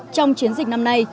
trong chiến dịch năm nay